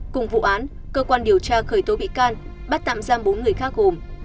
cùng vụ án cơ quan điều tra khởi tố bị can bắt tạm giam bốn người khác gồm